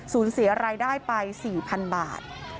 เสียรายได้ไป๔๐๐๐บาท